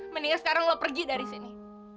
mendingan sekarang lo pergi dari sini